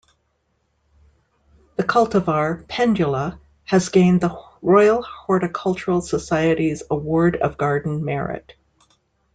The cultivar 'Pendula' has gained the Royal Horticultural Society's Award of Garden Merit.